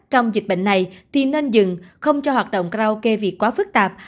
trong dịch bệnh này thì nên dừng không cho hoạt động karaoke việc quá phức tạp